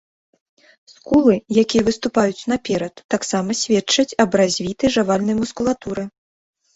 Скулы, якія выступаюць наперад, таксама сведчаць аб развітай жавальнай мускулатуры.